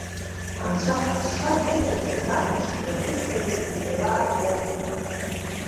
Анцәа ҳазшаз иҟаиҵаз амш уареи сареи иеилаагома?